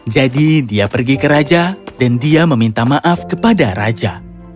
jadi dia pergi ke raja dan dia meminta maaf kepada raja